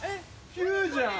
◆Ｑじゃん。